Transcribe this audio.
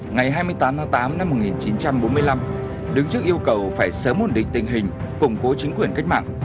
ngày hai mươi tám tháng tám năm một nghìn chín trăm bốn mươi năm đứng trước yêu cầu phải sớm ổn định tình hình củng cố chính quyền cách mạng